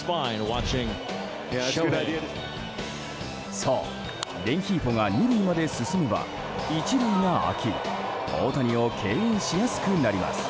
そう、レンヒーフォが２塁まで進めば１塁が空き大谷を敬遠しやすくなります。